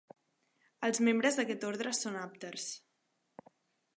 Els membres d'aquest ordre són àpters.